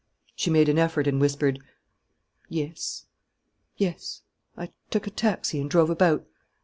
She made an effort and whispered: "Yes, yes.... I took a taxi and drove about.